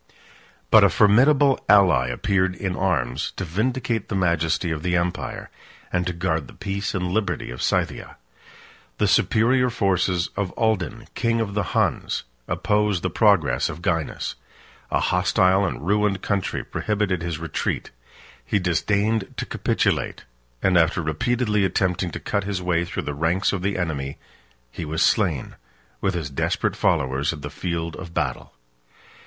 But a formidable ally appeared in arms to vindicate the majesty of the empire, and to guard the peace and liberty of Scythia. 39 The superior forces of Uldin, king of the Huns, opposed the progress of Gainas; a hostile and ruined country prohibited his retreat; he disdained to capitulate; and after repeatedly attempting to cut his way through the ranks of the enemy, he was slain, with his desperate followers, in the field of battle.